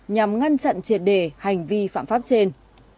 nhằm ngăn chặn triệt đề hành vi phạm pháp trên